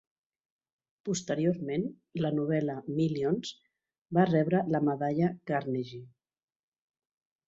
Posteriorment, la novel·la "Millions" va rebre la medalla Carnegie.